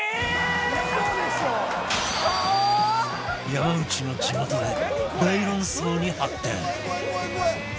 山内の地元で大論争に発展